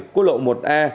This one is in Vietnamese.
quốc lộ một a